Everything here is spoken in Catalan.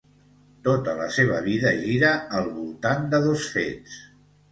Tota la seva vida gira al voltant de dos fets